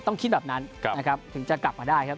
ต้องคิดแบบนั้นนะครับถึงจะกลับมาได้ครับ